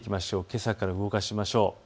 けさから動かしましょう。